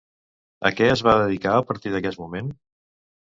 A què es va dedicar a partir d'aquest moment?